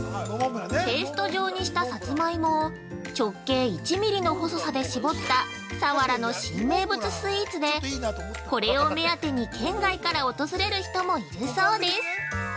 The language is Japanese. ペースト状にしたさつまいもを直径１ミリの細さで絞った佐原の新名物スイーツでこれを目当てに県外から訪れる人もいるそうです。